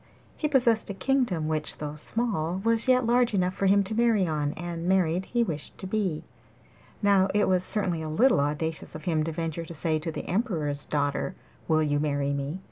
He possessed a kingdom which, though small, was yet large enough for him to marry on, and married he wished to be. Now it was certainly a little audacious of him to venture to say to the Emperor's daughter, 'Will you marry me?